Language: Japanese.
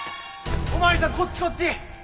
お巡りさんこっちこっち！